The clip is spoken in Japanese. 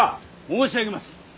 申し上げます。